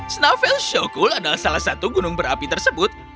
snavel showkul adalah salah satu gunung berapi tersebut